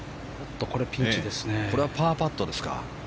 これはパーパットですか。